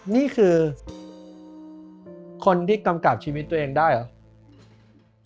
นี่คือคนที่กำกับชีวิตตัวเองได้เหรอ